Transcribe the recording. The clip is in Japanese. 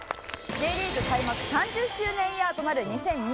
Ｊリーグ開幕３０周年イヤーとなる２０２３年。